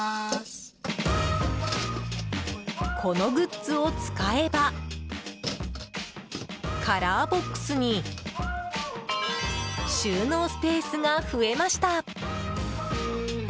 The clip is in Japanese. このグッズを使えばカラーボックスに収納スペースが増えました。